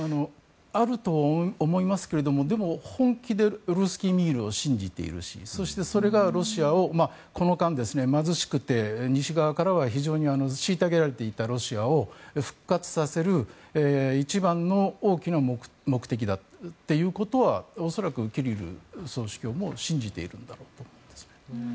あると思いますけどでも、本気でルースキー・ミールを信じているしそして、それがロシアをこの間、貧しくて西側からは非常に虐げられていたロシアを復活させる一番の大きな目的だということは恐らくキリル総主教も信じているんだろうと思います。